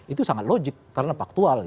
itu sangat logik karena faktual